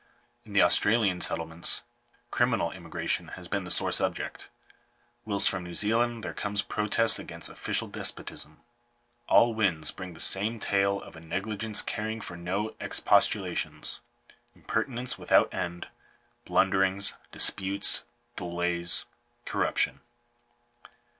In the Australian settlements, criminal immigration has been the sore subject ; whilst from New Zealand there come protests against official despotism. All winds bring the same tale of a negligence caring for no expostulations, impertinence without end, blunderings, disputes, delays, corruption.